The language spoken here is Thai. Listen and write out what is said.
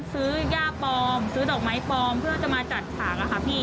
ซื้อย่าปลอมซื้อดอกไม้ปลอมเพื่อจะมาจัดฉากอะค่ะพี่